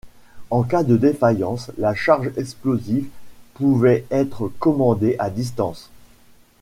En cas de défaillance, la charge explosive pouvait être commandée à distance.